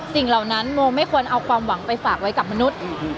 เหล่านั้นโมไม่ควรเอาความหวังไปฝากไว้กับมนุษย์